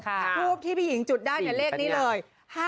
ถูบที่ผีหญิงจุดได้ในเลขนี้เลย